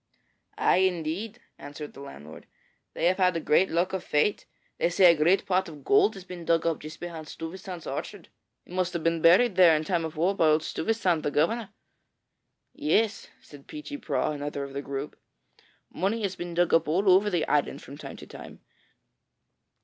'Ay, indeed,' answered the landlord; 'they have had great luck of late. They say a great pot of gold has been dug up just behind Stuyvesant's orchard. It must have been buried there in time of war by old Stuyvesant, the governor.' 'Yes,' said Peechy Prauw, another of the group. 'Money has been dug up all over the island from time to time.